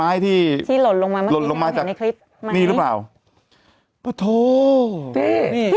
ที่ที่ลนลงมาลนลงมาจากในคลิปนี่หรือเปล่าปะโธ่นี่พี่